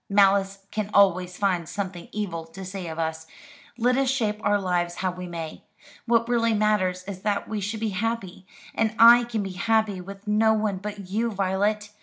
Malice can always find something evil to say of us, let us shape our lives how we may. What really matters is that we should be happy: and I can be happy with no one but you, Violet.